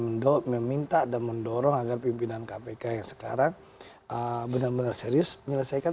mendorong meminta dan mendorong agar pimpinan kpk yang sekarang benar benar serius menyelesaikan